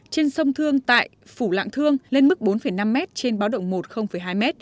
trên sông thương tại phủ lạng thương lên mức bốn năm m trên báo động một hai m